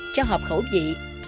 cho hợp khẩu vị